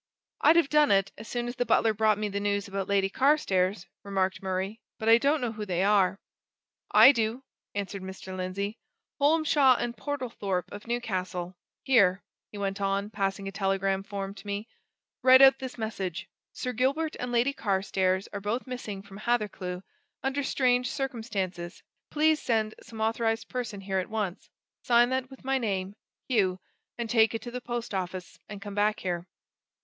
"I'd have done it, as soon as the butler brought me the news about Lady Carstairs," remarked Murray, "but I don't know who they are." "I do!" answered Mr. Lindsey. "Holmshaw and Portlethorpe of Newcastle. Here," he went on, passing a telegram form to me. "Write out this message: 'Sir Gilbert and Lady Carstairs are both missing from Hathercleugh under strange circumstances please send some authorized person here at once.' Sign that with my name, Hugh and take it to the post office, and come back here."